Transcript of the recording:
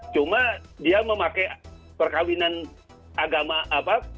cuma dia memakai perkawinan agama apa